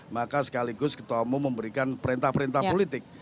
maka sekaligus ketua umum memberikan perintah perintah politik